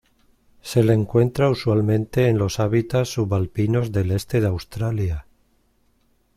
Se le encuentra usualmente en los hábitats subalpinos del este de Australia.